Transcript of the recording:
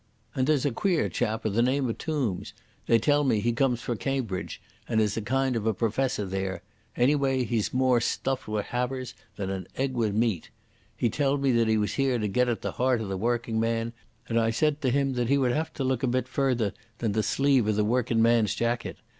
And there's a queer chap o' the name o' Tombs—they tell me he comes frae Cambridge, and is a kind of a professor there—anyway he's more stuffed wi' havers than an egg wi' meat. He telled me he was here to get at the heart o' the workingman, and I said to him that he would hae to look a bit further than the sleeve o' the workin' man's jaicket.